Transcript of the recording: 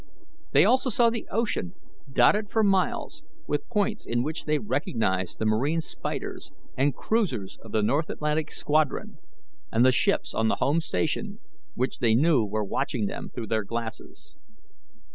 They also saw the ocean dotted for miles with points in which they recognized the marine spiders and cruisers of the North Atlantic squadron, and the ships on the home station, which they knew were watching them through their glasses.